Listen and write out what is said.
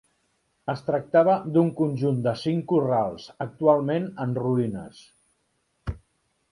Es tractava d'un conjunt de cinc corrals, actualment en ruïnes.